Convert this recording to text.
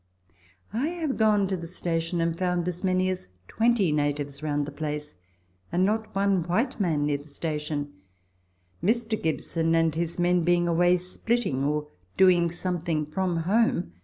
I have gone to the station and found as many as 20 natives round the place and not one white man near the station, Mr. Gibson and his men being away splitting or doing something from home.